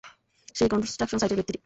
সেই কন্সট্রাকশন সাইটের ব্যাক্তিটি।